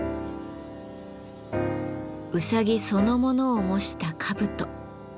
うさぎそのものを模した兜。